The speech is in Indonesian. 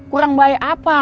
kurang baik apa